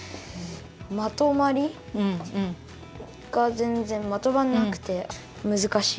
まとまり？がぜんぜんまとまらなくてむずかしい。